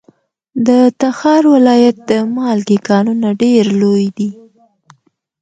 د تخار ولایت د مالګې کانونه ډیر لوی دي.